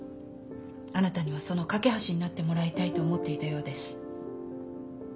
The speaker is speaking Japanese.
あなたにはその懸け橋になってもらいたいと思っていたようです。